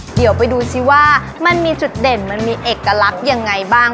เดี๋ยวไปดูซิว่ามันมีจุดเด่นมันมีเอกลักษณ์ยังไงบ้าง